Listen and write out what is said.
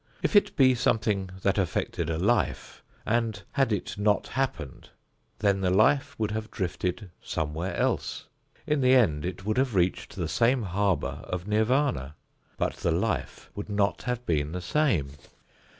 If it be something that affected a life, and had it not happened then the life would have drifted somewhere else. In the end it would have reached the same harbor of Nirvana. But the life would not have been the same.